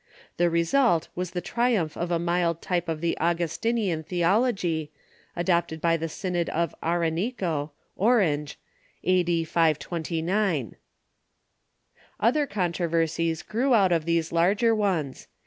The result was the triumph of a mild type of the Augustinian theology, adopted by the Synod of Aranico (Orange), a.d. 529. Other controversies grew out of these larger ones.